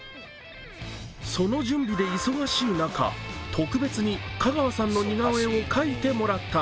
その準備で忙しい中、特別に香川さんの似顔絵を描いてもらった。